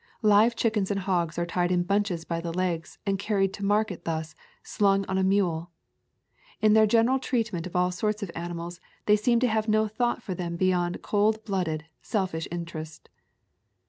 Live chickens and hogs are tied in bunches by the legs and carried to market thus, slung on a mule. In their general treatment of all sorts of animals they seem to have no thought for them beyond cold blooded, selfish interest.